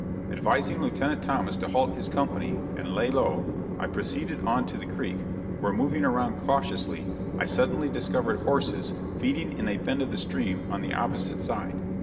Advising Lieutenant Thomas to halt his company and "lay low" I proceeded on to the creek, where, moving around cautiously, I suddenly discovered horses feeding in a bend of the stream on the opposite side.